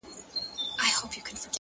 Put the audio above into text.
هوډ د ستونزو سیوري لنډوي,